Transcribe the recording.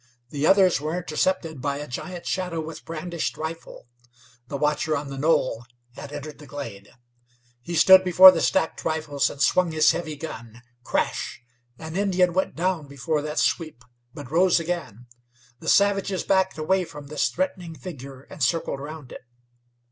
The others were intercepted by a giant shadow with brandished rifle. The watcher on the knoll had entered the glade. He stood before the stacked rifles and swung his heavy gun. Crash! An Indian went down before that sweep, but rose again. The savages backed away from this threatening figure, and circled around it.